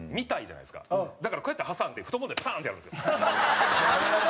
だからこうやって挟んで太ももでパンッてやるんですよ。